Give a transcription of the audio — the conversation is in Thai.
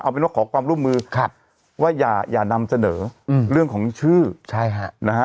เอาเป็นว่าขอความร่วมมือว่าอย่านำเสนอเรื่องของชื่อใช่ฮะนะฮะ